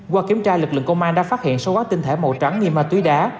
qua kiểm tra lực lượng công an đã phát hiện sâu quá tinh thẻ màu trắng nghi ma túy đá